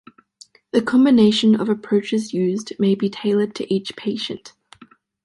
The combination of approaches used may be tailored to each patient.